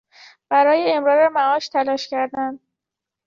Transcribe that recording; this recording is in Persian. برای امرار معاش تلاش کردن